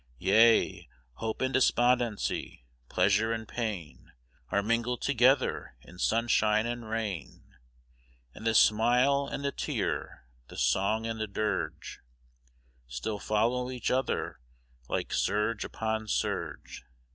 Yea, hope and despondency, pleasure and pain, Are mingled together in sunshine and rain; And the smile and the tear, the song and the dirge, Still follow each other like surge upon surge.